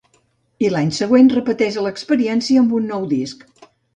I l'any següent repeteix l'experiència amb un nou disc.